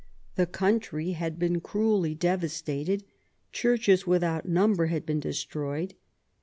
The country had been cruelly devastated ; churches without number had been destroyed.